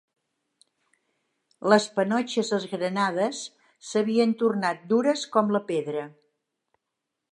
Les panotxes esgranades s'havien tornat dures com la pedra